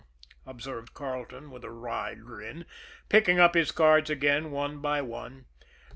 observed Carleton, with a wry grin, picking up his cards again one by one.